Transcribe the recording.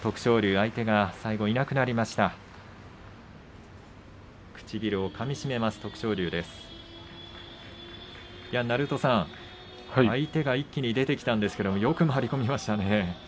相手が一気に出てきたんですけどよく回り込みましたね。